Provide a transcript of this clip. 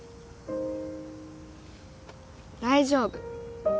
大丈夫。